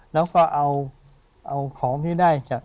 แล้วก็เอาของที่ได้จาก